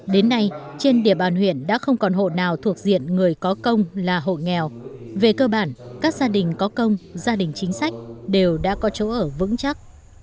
đến nay trên địa bàn huyện đã không còn hộ nào thuộc diện người có công là hộ nghèo về cơ bản các gia đình có công gia đình chính sách đều đã có chỗ ở vững chắc